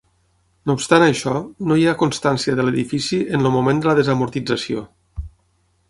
No obstant això, no hi ha constància de l'edifici en el moment de la desamortització.